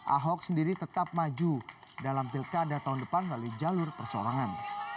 ahok sendiri tetap maju dalam pilkada tahun depan melalui jalur persorangan